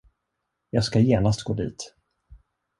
Jag skall genast gå dit.